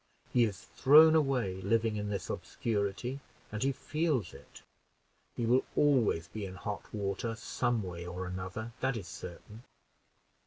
He is thrown away, living in this obscurity, and he feels it. He will always be in hot water some way or another, that is certain.